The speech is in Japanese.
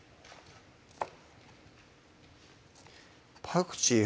パクチー